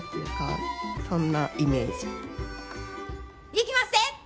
いきまっせ！